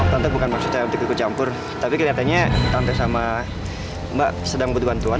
waktu nanti bukan maksudnya dikukuk campur tapi kelihatannya tante sama mbak sedang berduaan tuan